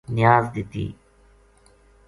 نیاز دِتی